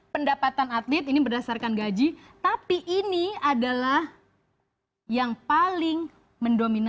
pendapatan atlet ini berdasarkan gaji tapi ini adalah yang paling mendominasi